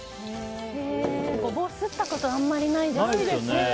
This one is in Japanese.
ゴボウ、すったことあまりないです。